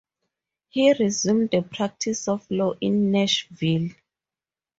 He resumed the practice of law in Nashville.